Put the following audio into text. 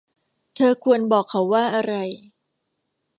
เธอควรบอกเขาว่าอะไร